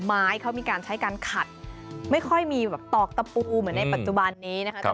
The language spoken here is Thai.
ไม้เขามีการใช้การขัดไม่ค่อยมีแบบตอกตะปูเหมือนในปัจจุบันนี้นะคะ